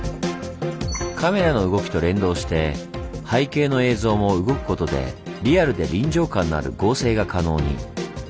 カメラの動きと連動して背景の映像も動くことでリアルで臨場感のある合成が可能に。